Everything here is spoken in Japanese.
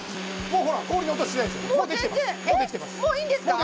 もういいんですか？